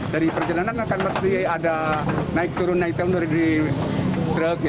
dari perjalanan akan mesti ada naik turun naik turun dari truk